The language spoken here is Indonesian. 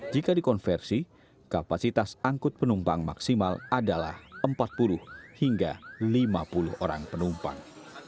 jika dikonversi kapasitas angkut penumpang maksimal adalah empat puluh hingga lima puluh orang penumpang